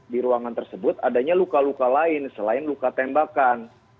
di ruangan tersebut adanya luka luka lain selain luka tembakan